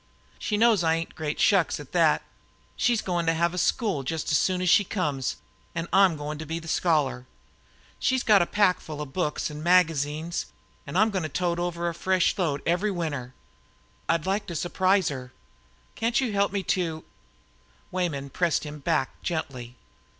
"She knows I ain't great shucks at that. She's goin' to have a school just as soon as she comes, an' I'm goin' to be the scholar. She's got a packful of books an' magazines an' I'm goin' to tote over a fresh load every winter. I'd like to surprise her. Can't you help me to " Weyman pressed him back gently.